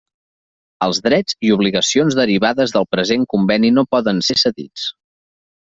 Els drets i obligacions derivades del present Conveni no poden ser cedits.